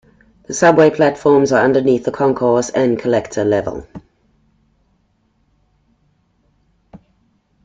The subway platforms are underneath the concourse and collector level.